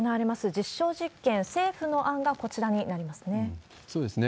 実証実験、政府の案がこちらになりますね。